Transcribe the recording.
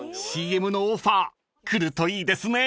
［ＣＭのオファー来るといいですね］